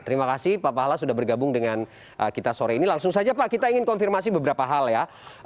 terima kasih pak pahala sudah bergabung dengan kita sore ini langsung saja pak kita ingin konfirmasi beberapa hal ya